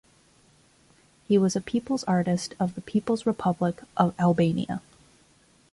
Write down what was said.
He was a People's Artist of the People's Republic of Albania.